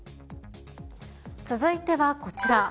続いてはこちら。